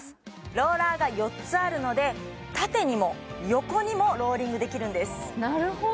ローラーが４つあるので縦にも横にもローリングできるんですなるほど！